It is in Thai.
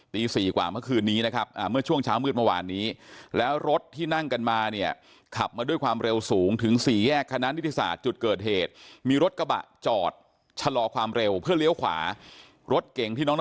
ตี๔กว่าเมื่อคืนนี้นะครับเมื่อช่วงเช้ามืดเมื่อวานนี้